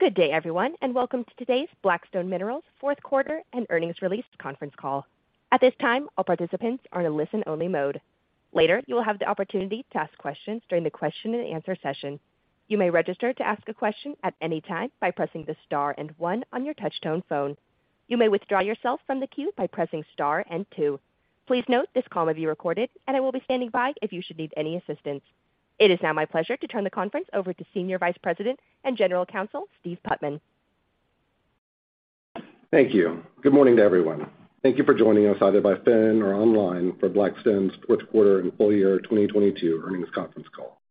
Good day, everyone, welcome to today's Black Stone Minerals Q4 and earnings release conference call. At this time, all participants are in a listen-only mode. Later, you will have the opportunity to ask questions during the question-and-answer session. You may register to ask a question at any time by pressing the star one on your touch-tone phone. You may withdraw yourself from the queue by pressing star two. Please note this call may be recorded. I will be standing by if you should need any assistance. It is now my pleasure to turn the conference over to Senior Vice President and General Counsel, Steve Putman. Thank you. Good morning to everyone. Thank you for joining us either by phone or online for Black Stone's Q4 and full year 2022 earnings conference call.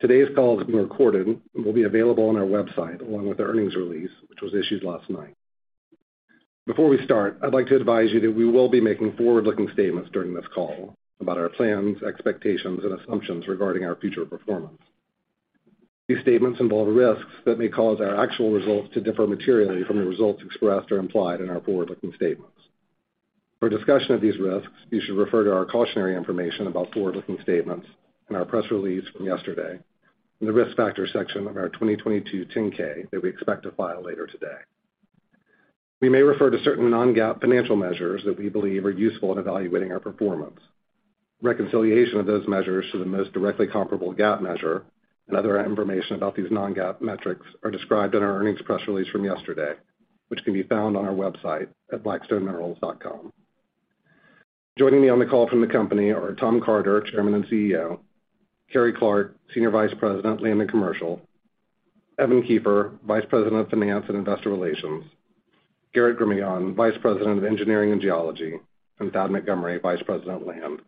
Today's call is being recorded and will be available on our website along with the earnings release, which was issued last night. Before we start, I'd like to advise you that we will be making forward-looking statements during this call about our plans, expectations, and assumptions regarding our future performance. These statements involve risks that may cause our actual results to differ materially from the results expressed or implied in our forward-looking statements. For a discussion of these risks, you should refer to our cautionary information about forward-looking statements in our press release from yesterday and the Risk Factors section of our 2022 10-K that we expect to file later today. We may refer to certain non-GAAP financial measures that we believe are useful in evaluating our performance. Reconciliation of those measures to the most directly comparable GAAP measure and other information about these non-GAAP metrics are described in our earnings press release from yesterday, which can be found on our website at blackstoneminerals.com. Joining me on the call from the company are Tom Carter, Chairman and CEO, Carrie Clark, Senior Vice President, Land and Commercial, Evan Kiefer, Vice President of Finance and Investor Relations, Garrett Gramignan, Vice President of Engineering and Geology, and Thad Montgomery, Vice President of Land.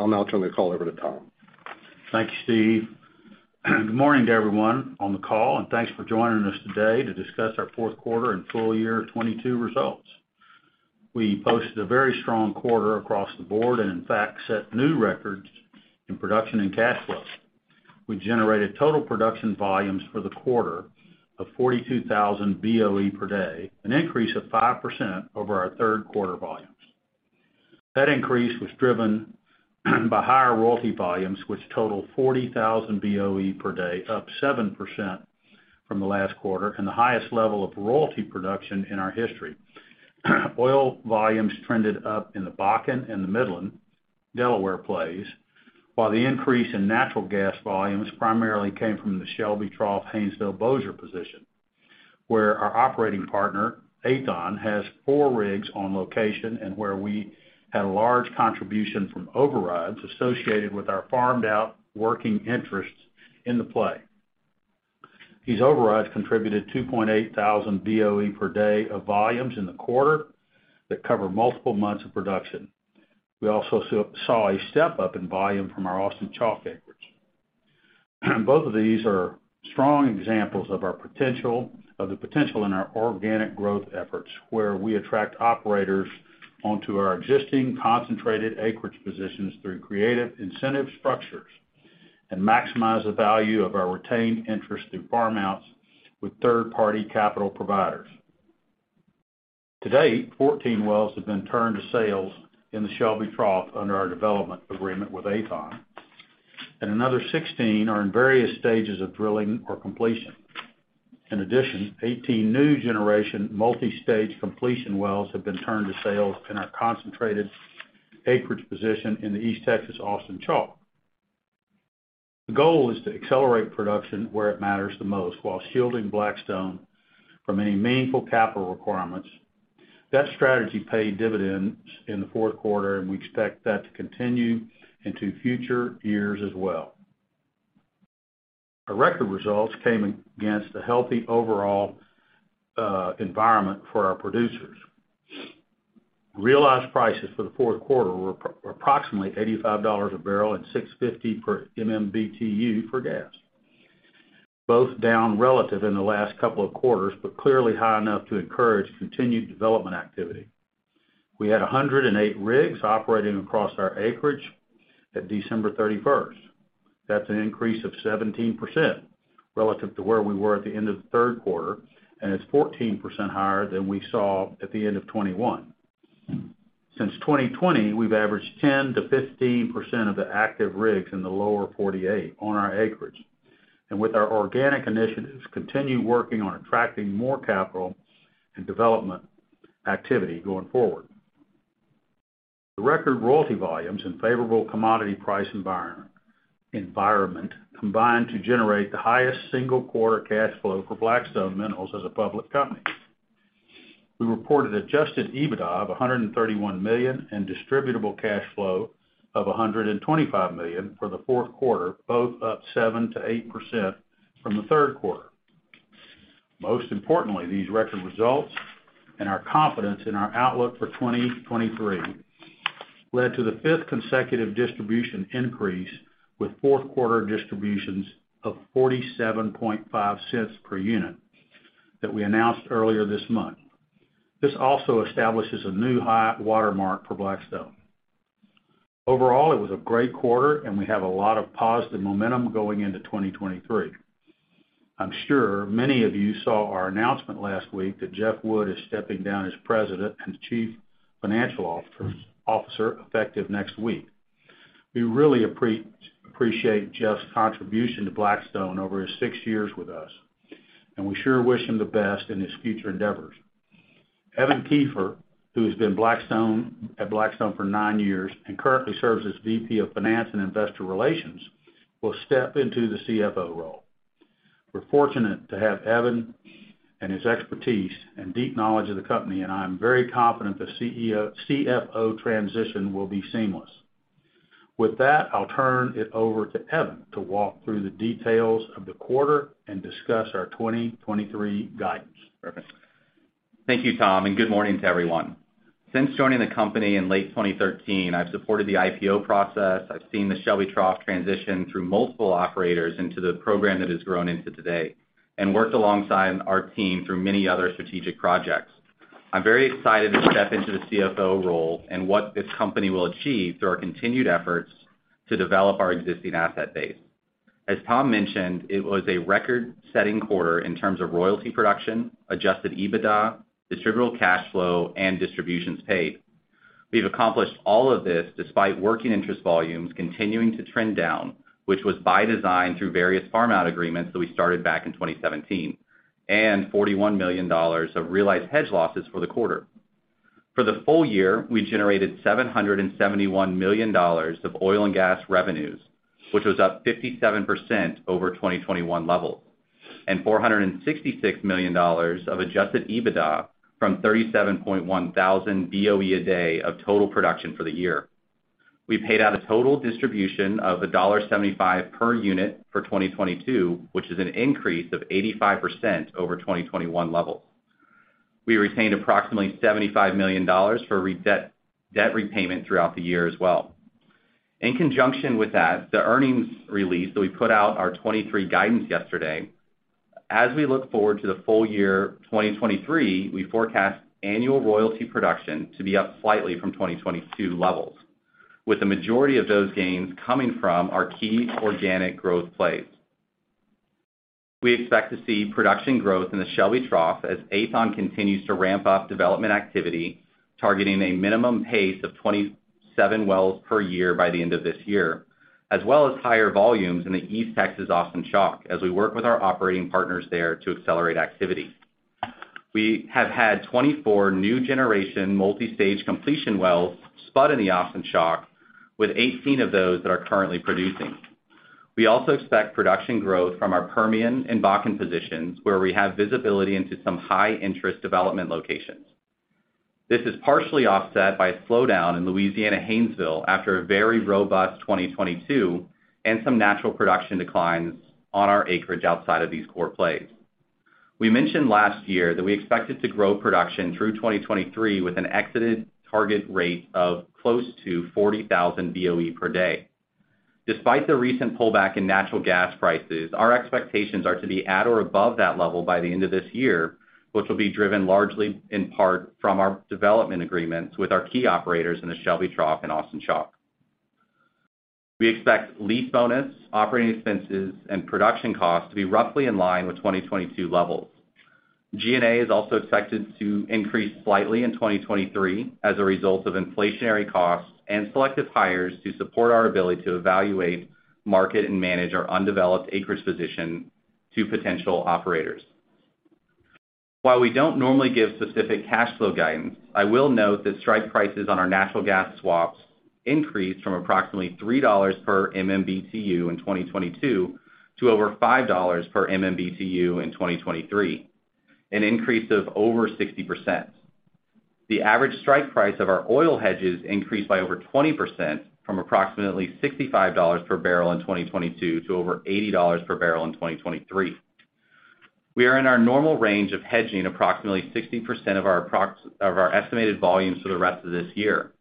I'll now turn the call over to Tom. Thank you, Steve. Good morning to everyone on the call. Thanks for joining us today to discuss our Q4 and full year 2022 results. We posted a very strong quarter across the board and in fact set new records in production and cash flow. We generated total production volumes for the quarter of 42,000 BOE per day, an increase of 5% over our Q3 volumes. That increase was driven by higher royalty volumes, which totaled 40,000 BOE per day, up 7% from the last quarter and the highest level of royalty production in our history. Oil volumes trended up in the Bakken and the Midland Delaware plays, while the increase in natural gas volumes primarily came from the Shelby Trough Haynesville Bossier position, where our operating partner, Aethon, has four rigs on location and where we had a large contribution from overrides associated with our farmed out working interests in the play. These overrides contributed 2.8 thousand BOE per day of volumes in the quarter that cover multiple months of production. We also saw a step-up in volume from our Austin Chalk acreage. Both of these are strong examples of our potential in our organic growth efforts, where we attract operators onto our existing concentrated acreage positions through creative incentive structures and maximize the value of our retained interest through farm-outs with third-party capital providers. To date, 14 wells have been turned to sales in the Shelby Trough under our development agreement with Aethon, and another 16 are in various stages of drilling or completion. In addition, 18 new-generation multi-stage completion wells have been turned to sales in our concentrated acreage position in the East Texas Austin Chalk. The goal is to accelerate production where it matters the most while shielding Black Stone Minerals from any meaningful capital requirements. That strategy paid dividends in the Q4, and we expect that to continue into future years as well. Our record results came against a healthy overall environment for our producers. Realized prices for the Q4 were approximately $85 a barrel and $6.50 per MMBtu for gas, both down relative in the last couple of quarters, but clearly high enough to encourage continued development activity. We had 108 rigs operating across our acreage at December 31st. That's an increase of 17% relative to where we were at the end of the Q3, and it's 14% higher than we saw at the end of 2021. Since 2020, we've averaged 10%-15% of the active rigs in the lower 48 on our acreage and, with our organic initiatives, continue working on attracting more capital and development activity going forward. The record royalty volumes and favorable commodity price environment combined to generate the highest single quarter cash flow for Black Stone Minerals as a public company. We reported Adjusted EBITDA of $131 million and Distributable Cash Flow of $125 million for the Q4, both up 7%-8% from the Q3. Most importantly, these record results and our confidence in our outlook for 2023 led to the 5th consecutive distribution increase, with Q4 distributions of $0.475 per unit that we announced earlier this month. This also establishes a new high watermark for Black Stone Minerals. It was a great quarter, and we have a lot of positive momentum going into 2023. I'm sure many of you saw our announcement last week that Jeff Wood is stepping down as President and Chief Financial Officer, effective next week. We really appreciate Jeff's contribution to Black Stone Minerals over his six years with us, and we sure wish him the best in his future endeavors. Evan Kiefer, who has been at Black Stone Minerals for nine years and currently serves as VP of Finance and Investor Relations, will step into the CFO role. We're fortunate to have Evan and his expertise and deep knowledge of the company. I am very confident the CEO-CFO transition will be seamless. With that, I'll turn it over to Evan to walk through the details of the quarter and discuss our 2023 guidance. Perfect. Thank you, Tom. Good morning to everyone. Since joining the company in late 2013, I've supported the IPO process, I've seen the Shelby Trough transition through multiple operators into the program that has grown into today, and worked alongside our team through many other strategic projects. I'm very excited to step into the CFO role and what this company will achieve through our continued efforts to develop our existing asset base. As Tom mentioned, it was a record-setting quarter in terms of royalty production, Adjusted EBITDA, Distributable Cash Flow, and distributions paid. We've accomplished all of this despite working interest volumes continuing to trend down, which was by design through various farm-out agreements that we started back in 2017, and $41 million of realized hedge losses for the quarter. For the full year, we generated $771 million of oil and gas revenues, which was up 57% over 2021 levels, and $466 million of Adjusted EBITDA from 37.1 thousand BOE a day of total production for the year. We paid out a total distribution of $1.75 per unit for 2022, which is an increase of 85% over 2021 levels. We retained approximately $75 million for debt repayment throughout the year as well. In conjunction with that, the earnings release that we put out our 2023 guidance yesterday, as we look forward to the full year 2023, we forecast annual royalty production to be up slightly from 2022 levels, with the majority of those gains coming from our key organic growth plays. We expect to see production growth in the Shelby Trough as Aethon continues to ramp up development activity, targeting a minimum pace of 27 wells per year by the end of this year, as well as higher volumes in the East Texas Austin Chalk as we work with our operating partners there to accelerate activity. We have had 24 new generation multi-stage completion wells spud in the Austin Chalk, with 18 of those that are currently producing. We also expect production growth from our Permian and Bakken positions, where we have visibility into some high-interest development locations. This is partially offset by a slowdown in Louisiana Haynesville after a very robust 2022 and some natural production declines on our acreage outside of these core plays. We mentioned last year that we expected to grow production through 2023 with an exited target rate of close to 40,000 BOE per day. Despite the recent pullback in natural gas prices, our expectations are to be at or above that level by the end of this year, which will be driven largely in part from our development agreements with our key operators in the Shelby Trough and Austin Chalk. We expect lease bonus, operating expenses, and production costs to be roughly in line with 2022 levels. G&A is also expected to increase slightly in 2023 as a result of inflationary costs and selective hires to support our ability to evaluate, market, and manage our undeveloped acreage position to potential operators. While we don't normally give specific cash flow guidance, I will note that strike prices on our natural gas swaps increased from approximately $3 per MMBtu in 2022 to over $5 per MMBtu in 2023, an increase of over 60%. The average strike price of our oil hedges increased by over 20% from approximately $65 per barrel in 2022 to over $80 per barrel in 2023. We are in our normal range of hedging approximately 60% of our estimated volumes for the rest of this year.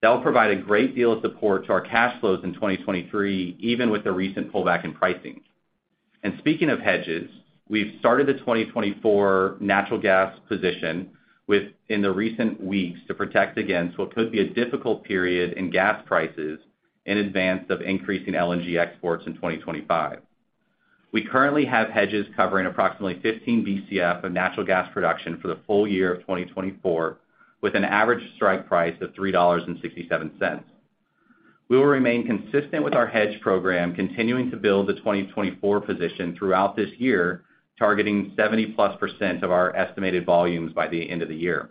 That will provide a great deal of support to our cash flows in 2023, even with the recent pullback in pricing. Speaking of hedges, we've started the 2024 natural gas position in the recent weeks to protect against what could be a difficult period in gas prices in advance of increasing LNG exports in 2025. We currently have hedges covering approximately 15 Bcf of natural gas production for the full year of 2024, with an average strike price of $3.67. We will remain consistent with our hedge program, continuing to build the 2024 position throughout this year, targeting 70%+ of our estimated volumes by the end of the year.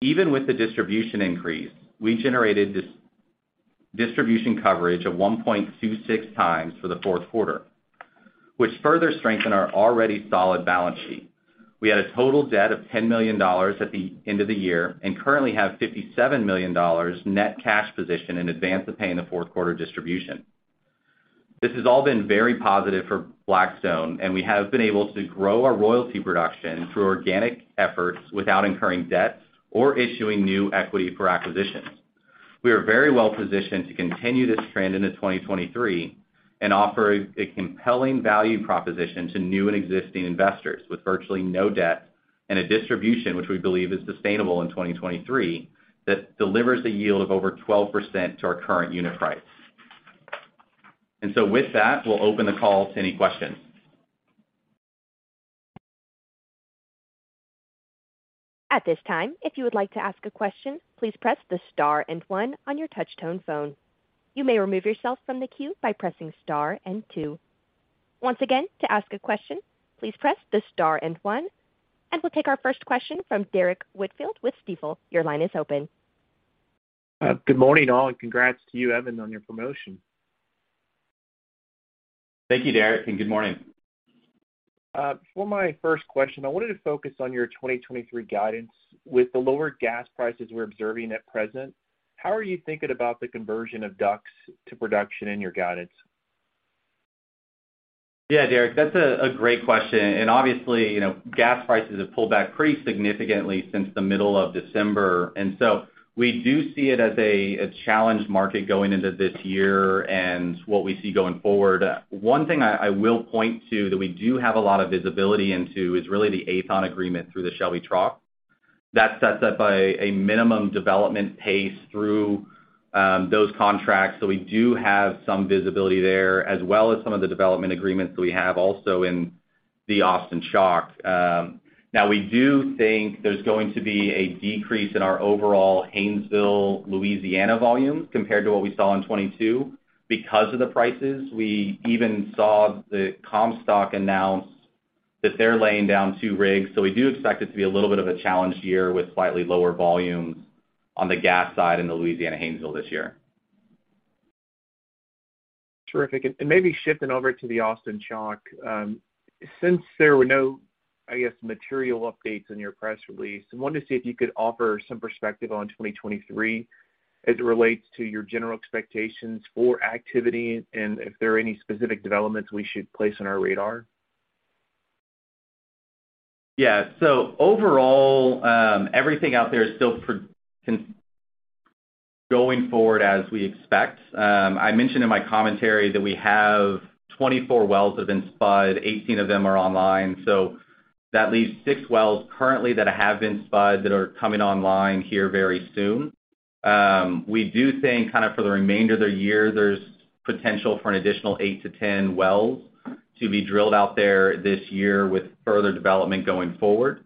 Even with the distribution increase, we generated distribution coverage of 1.26x for the Q4, which further strengthened our already solid balance sheet. We had a total debt of $10 million at the end of the year and currently have $57 million net cash position in advance of paying the Q4 distribution. This has all been very positive for Black Stone Minerals, and we have been able to grow our royalty production through organic efforts without incurring debt or issuing new equity for acquisitions. We are very well positioned to continue this trend into 2023 and offer a compelling value proposition to new and existing investors with virtually no debt and a distribution which we believe is sustainable in 2023 that delivers a yield of over 12% to our current unit price. With that, we'll open the call to any questions. At this time, if you would like to ask a question, please press the star and one on your touchtone phone. You may remove yourself from the queue by pressing star and two. Once again, to ask a question, please press the star and one. We'll take our first question from Derrick Whitfield with Stifel. Your line is open. Good morning, all, and congrats to you, Evan, on your promotion. Thank you, Derrick, and good morning. For my first question, I wanted to focus on your 2023 guidance. With the lower gas prices we're observing at present, how are you thinking about the conversion of DUCs to production in your guidance? Yeah, Derrick, that's a great question, and obviously, you know, gas prices have pulled back pretty significantly since the middle of December. We do see it as a challenged market going into this year and what we see going forward. One thing I will point to that we do have a lot of visibility into is really the Aethon agreement through the Shelby trough. That's set by a minimum development pace through those contracts. We do have some visibility there, as well as some of the development agreements that we have also in the Austin Chalk. Now we do think there's going to be a decrease in our overall Haynesville, Louisiana volume compared to what we saw in 22 because of the prices. We even saw the Comstock announce that they're laying down two rigs. We do expect it to be a little bit of a challenged year with slightly lower volumes on the gas side in the Louisiana Haynesville this year. Terrific. Maybe shifting over to the Austin Chalk, since there were no, I guess, material updates in your press release, I wanted to see if you could offer some perspective on 2023 as it relates to your general expectations for activity, and if there are any specific developments we should place on our radar. Overall, everything out there is still going forward as we expect. I mentioned in my commentary that we have 24 wells have been spud, 18 of them are online. That leaves six wells currently that have been spud that are coming online here very soon. We do think kind of for the remainder of the year, there's potential for an additional 8-10 wells to be drilled out there this year with further development going forward.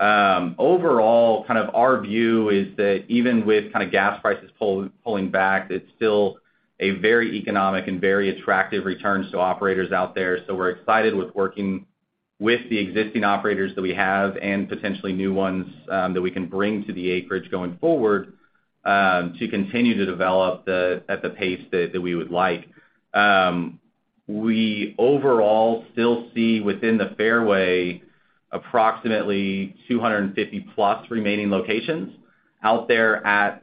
Overall, kind of our view is that even with kind of gas prices pulling back, it's still a very economic and very attractive returns to operators out there. We're excited with working with the existing operators that we have and potentially new ones, that we can bring to the acreage going forward, to continue to develop the, at the pace that we would like. We overall still see within the fairway approximately 250-plus remaining locations out there at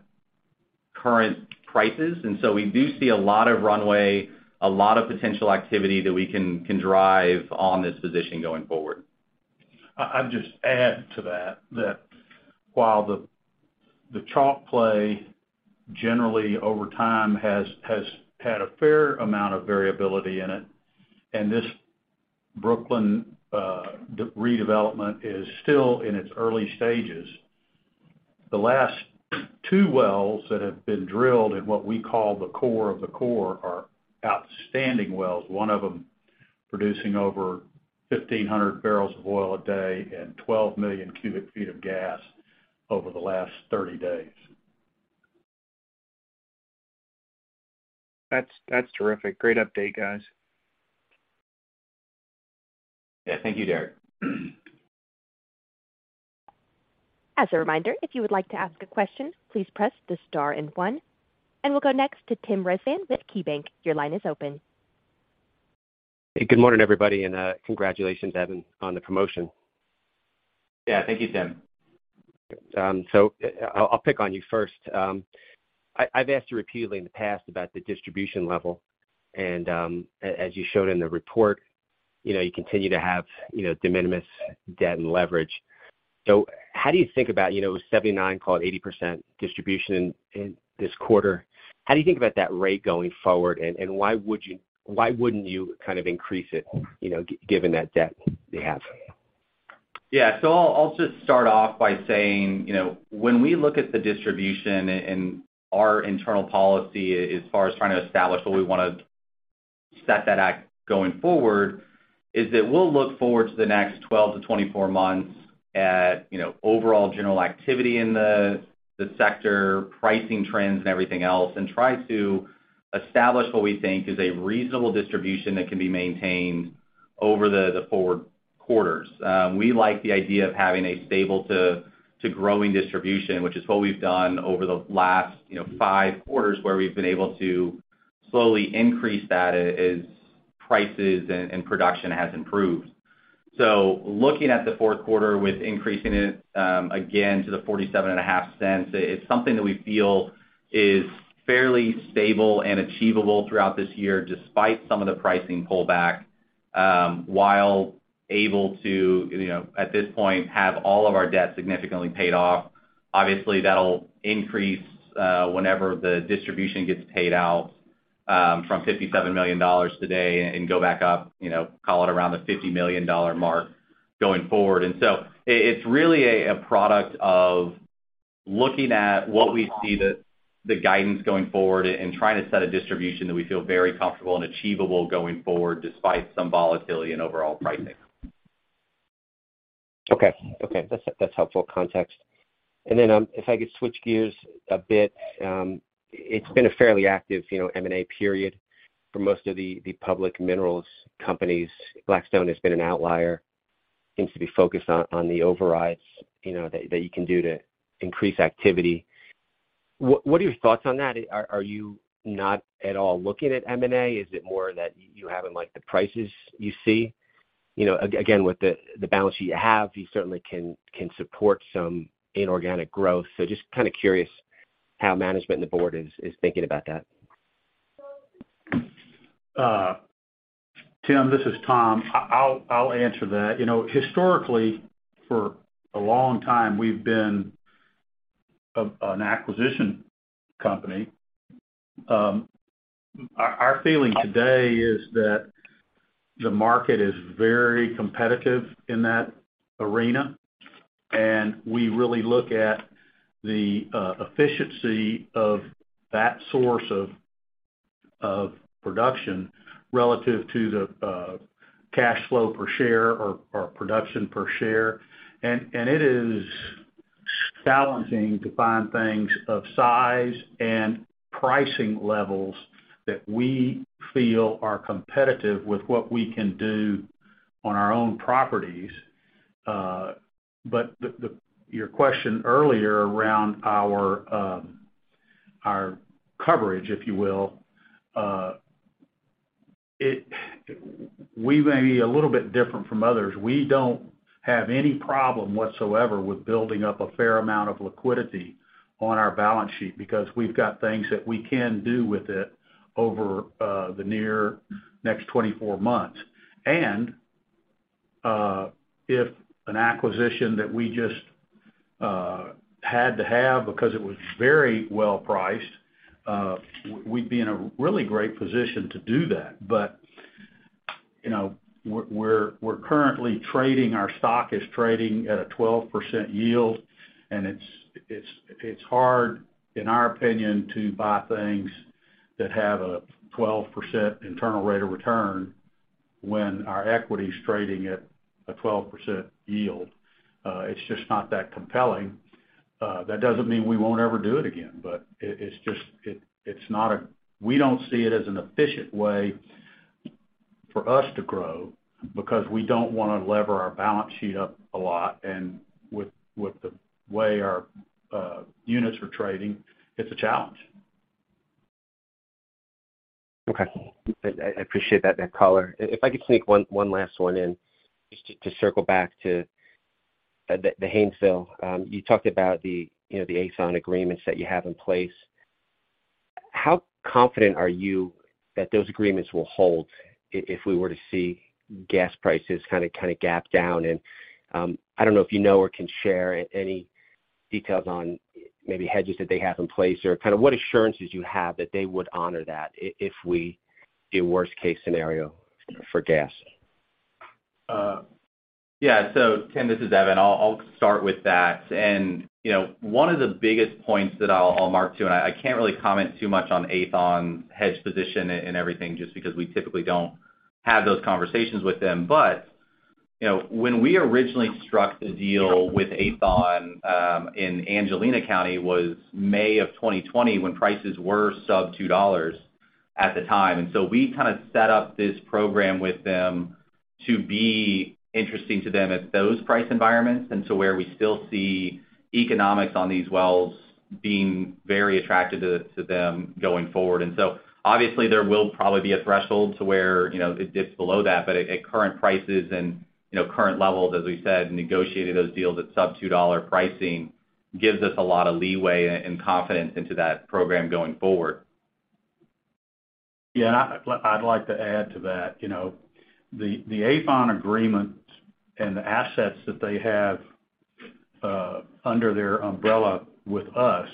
current prices. We do see a lot of runway, a lot of potential activity that we can drive on this position going forward. I'll just add to that while the Chalk play generally over time has had a fair amount of variability in it, and this Brooklyn redevelopment is still in its early stages. The last two wells that have been drilled in what we call the core of the core are outstanding wells, one of them producing over 1,500 barrels of oil a day and 12 million cubic feet of gas over the last 30 days. That's terrific. Great update, guys. Yeah. Thank you, Derrick. As a reminder, if you would like to ask a question, please press the star and one. We'll go next to Tim Rezvan with KeyBanc. Your line is open. Hey, good morning, everybody, and congratulations, Evan, on the promotion. Yeah. Thank you, Tim. I'll pick on you first. I've asked you repeatedly in the past about the distribution level and as you showed in the report, you know, you continue to have, you know, de minimis debt and leverage. How do you think about, you know, it was 79, call it 80% distribution in this quarter? How do you think about that rate going forward and why wouldn't you kind of increase it, you know, given that debt you have? Yeah. I'll just start off by saying, you know, when we look at the distribution and our internal policy as far as trying to establish what we wanna set that at going forward, is that we'll look forward to the next 12-24 months at, you know, overall general activity in the sector, pricing trends and everything else, and try to establish what we think is a reasonable distribution that can be maintained over the forward quarters. We like the idea of having a stable to growing distribution, which is what we've done over the last, you know, five quarters, where we've been able to slowly increase that as prices and production has improved. Looking at the Q4 with increasing it, again, to $0.475, it's something that we feel is fairly stable and achievable throughout this year, despite some of the pricing pullback, while able to, you know, at this point, have all of our debt significantly paid off. Obviously, that'll increase whenever the distribution gets paid out, from $57 million today and go back up, you know, call it around the $50 million mark going forward. It's really a product of looking at what we see the guidance going forward and trying to set a distribution that we feel very comfortable and achievable going forward despite some volatility in overall pricing. Okay. That's helpful context. Then, if I could switch gears a bit, it's been a fairly active, you know, M&A period for most of the public minerals companies. Black Stone Minerals has been an outlier, seems to be focused on the overrides, you know, that you can do to increase activity. What are your thoughts on that? Are you not at all looking at M&A? Is it more that you haven't liked the prices you see? You know, again, with the balance sheet you have, you certainly can support some inorganic growth. Just kinda curious how management and the board is thinking about that. Tim, this is Tom. I'll answer that. You know, historically, for a long time, we've been an acquisition company. Our feeling today is that the market is very competitive in that arena, and we really look at the efficiency of that source of production relative to the cash flow per share or production per share. It is challenging to find things of size and pricing levels that we feel are competitive with what we can do on our own properties. Your question earlier around our coverage, if you will, We may be a little bit different from others. We don't have any problem whatsoever with building up a fair amount of liquidity on our balance sheet because we've got things that we can do with it over the near next 24 months. If an acquisition that we just had to have because it was very well priced, we'd be in a really great position to do that. You know, we're currently trading our stock is trading at a 12% yield, and it's hard, in our opinion, to buy things that have a 12% internal rate of return when our equity is trading at a 12% yield. It's just not that compelling. That doesn't mean we won't ever do it again, but we don't see it as an efficient way for us to grow because we don't wanna lever our balance sheet up a lot. With the way our units are trading, it's a challenge. Okay. I appreciate that color. If I could sneak one last one in, just to circle back to the Haynesville. You talked about the, you know, the Aethon agreements that you have in place. How confident are you that those agreements will hold if we were to see gas prices kinda gap down? I don't know if you know or can share any details on maybe hedges that they have in place or kinda what assurances you have that they would honor that if we see a worst-case scenario for gas? Yeah. Tim, this is Evan. I'll start with that. You know, one of the biggest points that I'll mark to, and I can't really comment too much on Aethon hedge position and everything just because we typically don't have those conversations with them. You know, when we originally struck the deal with Aethon, in Angelina County was May of 2020 when prices were sub $2 at the time. We kinda set up this program with them to be interesting to them at those price environments, and so where we still see economics on these wells being very attractive to them going forward. Obviously there will probably be a threshold to where, you know, it dips below that. At current prices and, you know, current levels, as we said, negotiating those deals at sub $2 pricing gives us a lot of leeway and confidence into that program going forward. I'd like to add to that. You know, the Aethon agreement and the assets that they have under their umbrella with us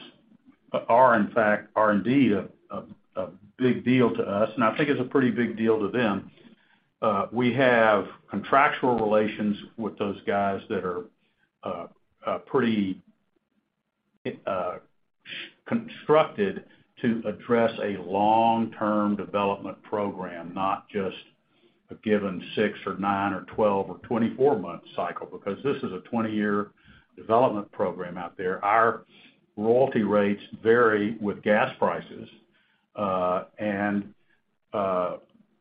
are indeed a big deal to us, and I think it's a pretty big deal to them. We have contractual relations with those guys that are pretty constructed to address a long-term development program, not just a given six or nine or 12 or 24 month cycle, because this is a 20-year development program out there. Our royalty rates vary with gas prices, and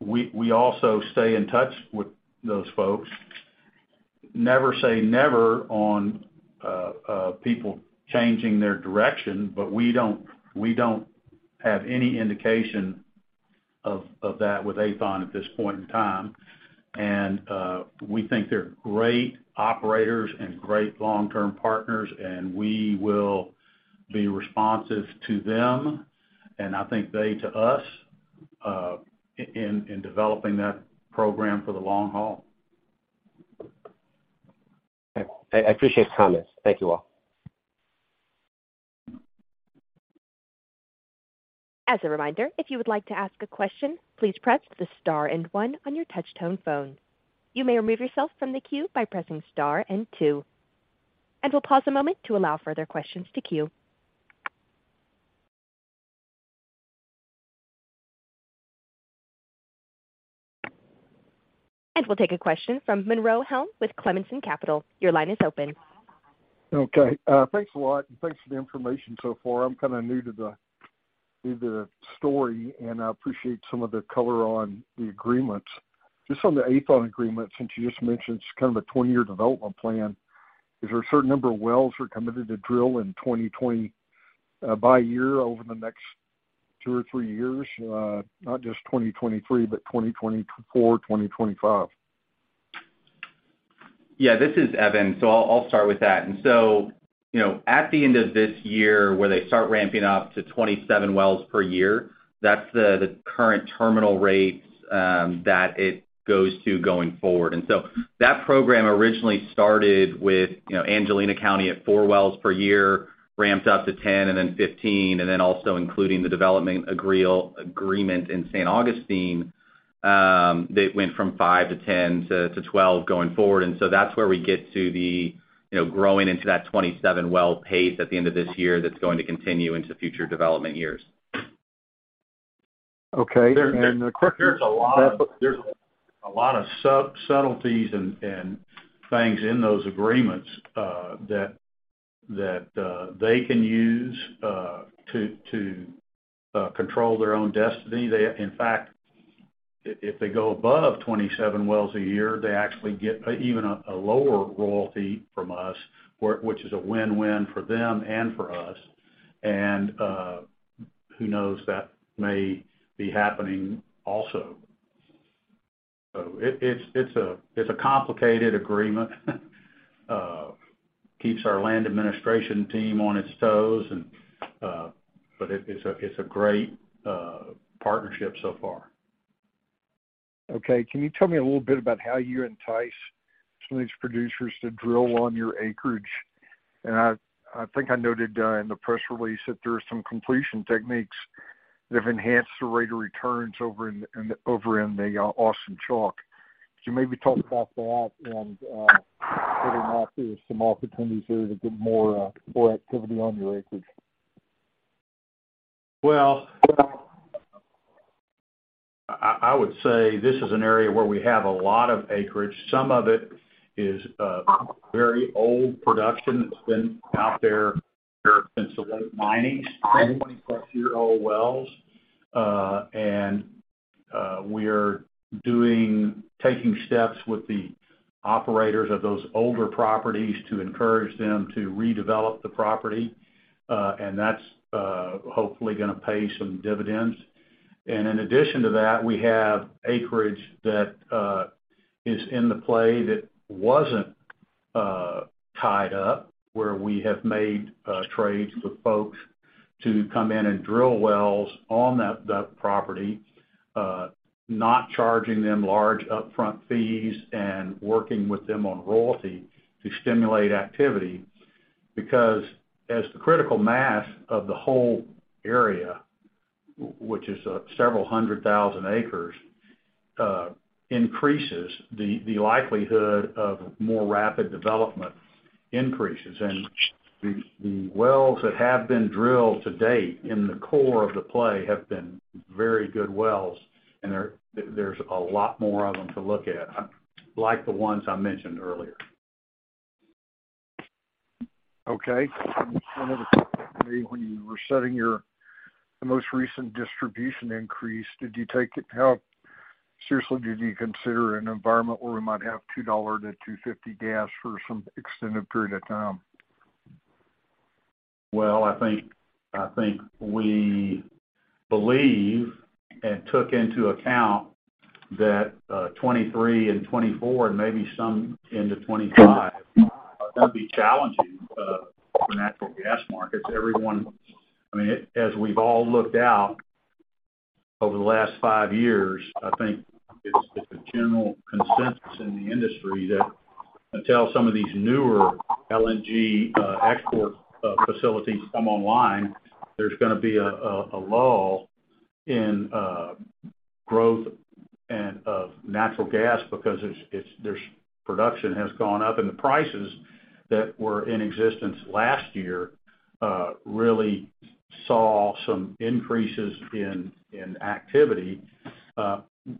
we also stay in touch with those folks. Never say never on people changing their direction, but we don't have any indication of that with Aethon at this point in time. We think they're great operators and great long-term partners, and we will be responsive to them, and I think they to us, in developing that program for the long haul. Okay. I appreciate the comments. Thank you all. As a reminder, if you would like to ask a question, please press the star and one on your touchtone phone. You may remove yourself from the queue by pressing star and two. We'll pause a moment to allow further questions to queue. We'll take a question from Monroe Helm with Clemensen Capital. Your line is open. Thanks a lot, and thanks for the information so far. I'm kinda new to the story, and I appreciate some of the color on the agreements. Just on the Aethon agreement, since you just mentioned it's kind of a 20-year development plan, is there a certain number of wells we're committed to drill in 2020 by year over the next two or three years? Not just 2023, but 2024, 2025. Yeah, this is Evan. I'll start with that. You know, at the end of this year, where they start ramping up to 27 wells per year, that's the current terminal rates that it goes to going forward. That program originally started with, you know, Angelina County at four wells per year, ramped up to 10 and then 15, and then also including the development agreement in Saint Augustine, they went from five to 10 to 12 going forward. That's where we get to the, you know, growing into that 27 well pace at the end of this year that's going to continue into future development years. Okay. The quick- There's a lot of subtleties and things in those agreements that they can use to control their own destiny. In fact, if they go above 27 wells a year, they actually get even a lower royalty from us, which is a win-win for them and for us. Who knows, that may be happening also. It's a complicated agreement. Keeps our land administration team on its toes and it's a great partnership so far. Okay. Can you tell me a little bit about how you entice some of these producers to drill on your acreage? I think I noted in the press release that there are some completion techniques that have enhanced the rate of returns over in the Austin Chalk. Could you maybe talk about that and whether or not there's some opportunities there to get more activity on your acreage? Well, I would say this is an area where we have a lot of acreage. Some of it is very old production. It's been out there since the late 1990s, 20-plus-year-old wells. We're taking steps with the operators of those older properties to encourage them to redevelop the property, and that's hopefully gonna pay some dividends. In addition to that, we have acreage that is in the play that wasn't tied up, where we have made trades with folks to come in and drill wells on that property, not charging them large upfront fees and working with them on royalty to stimulate activity. Because as the critical mass of the whole area, which is several hundred thousand acres, increases, the likelihood of more rapid development increases. The wells that have been drilled to date in the core of the play have been very good wells, and there's a lot more of them to look at, like the ones I mentioned earlier. One other thing. When you were setting your most recent distribution increase, how seriously did you consider an environment where we might have $2-$2.50 gas for some extended period of time? I think we believe and took into account that 2023 and 2024 and maybe some into 2025 are gonna be challenging for natural gas markets. I mean, as we've all looked out over the last five years, I think it's a general consensus in the industry that until some of these newer LNG export facilities come online, there's gonna be a lull in growth of natural gas because there's production has gone up and the prices that were in existence last year really saw some increases in activity.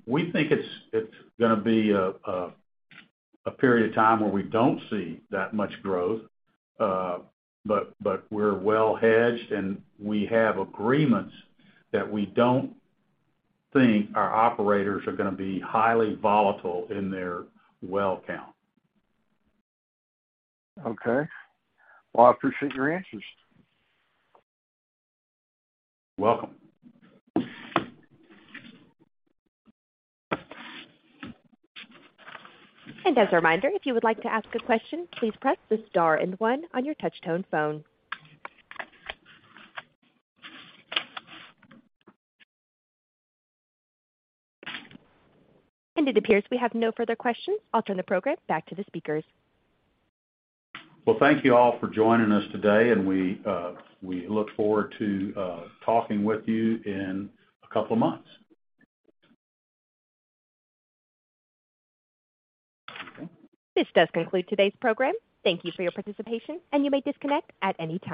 We think it's gonna be a period of time where we don't see that much growth, but we're well hedged, and we have agreements that we don't think our operators are gonna be highly volatile in their well count. Okay. Well, I appreciate your answers. You're welcome. As a reminder, if you would like to ask a question, please press the star and one on your touch-tone phone. It appears we have no further questions. I'll turn the program back to the speakers. Well, thank you all for joining us today, and we look forward to, talking with you in a couple of months. This does conclude today's program. Thank you for your participation. You may disconnect at any time.